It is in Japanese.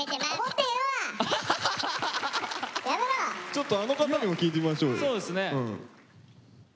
ちょっとあの方にも聞いてみましょうよ。